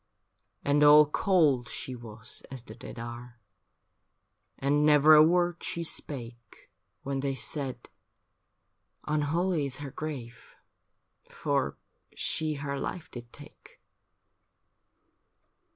And all cold she was as the dead are. And never a word she spake, When they said, ' Unholy is her grave For she her life did take.'